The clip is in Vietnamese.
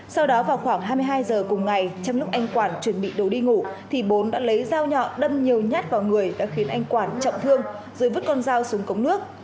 sau đó vào khoảng hai mươi hai giờ cùng ngày trong lúc anh quản chuẩn bị đồ đi ngủ thì bốn đã lấy dao nhọn đâm nhiều nhát vào người đã khiến anh quản trọng thương rồi vứt con dao xuống cống nước